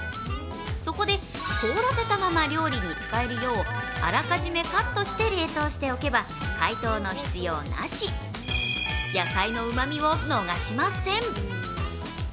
そこで、凍らせたまま料理に使えるようあらかじめカットして冷凍しておけば解凍の必要なし、野菜のうまみを逃しません。